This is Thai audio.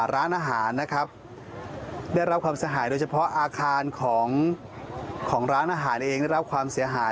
ร้านอาหารนะครับได้รับความเสียหายโดยเฉพาะอาคารของร้านอาหารเองได้รับความเสียหาย